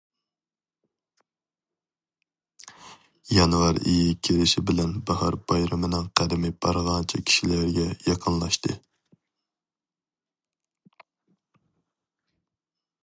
يانۋار ئېيى كىرىشى بىلەن باھار بايرىمىنىڭ قەدىمى بارغانچە كىشىلەرگە يېقىنلاشتى.